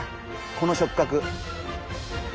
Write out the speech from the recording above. この触角。